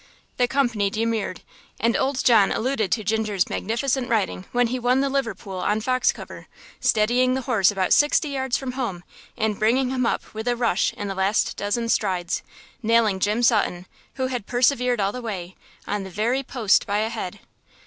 The company demurred, and old John alluded to Ginger's magnificent riding when he won the Liverpool on Foxcover, steadying the horse about sixty yards from home, and bringing him up with a rush in the last dozen strides, nailing Jim Sutton, who had persevered all the way, on the very post by a head.